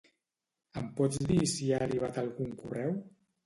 Em pots dir si ha arribat algun correu?